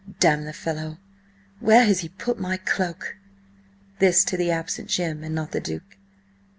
"Damn the fellow, where has he put my cloak?" This to the absent Jim, and not the Duke.